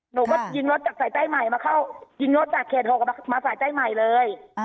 หนูก็ยิงรถจากสายใต้ใหม่มาเข้ายิงรถจากเขต๖มาสายใต้ใหม่เลย